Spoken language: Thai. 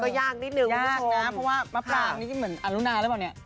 มันก็ยากนิดหนึ่งคุณผู้ชมยากนะเพราะว่ามาปลางนี่เหมือนอรุณาหรือเปล่าเนี่ย